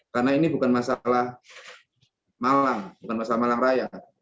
karena ini bukan masalah malang bukan masalah malang raya